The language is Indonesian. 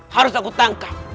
harus aku tangkap